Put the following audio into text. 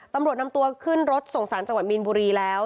ตำรวจนำตัวขึ้นรถส่งสารจังหวัดมีนบุรีแล้ว